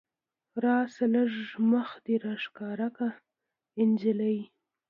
راشه لږ مخ دې راښکاره که جينۍ